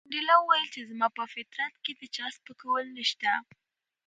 منډېلا وویل چې زما په فطرت کې د چا سپکول نشته.